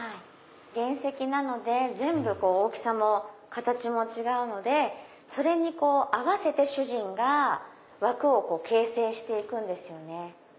原石なので全部大きさも形も違うのでそれに合わせて主人が枠を形成して行くんですよね。